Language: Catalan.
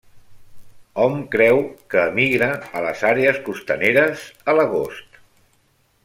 Hom creu que emigra a les àrees costaneres a l'agost.